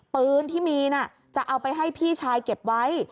ปืนที่มีน่ะจะเอาไปให้พี่ชายเก็บไว้